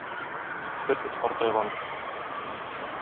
Бер эт картайган.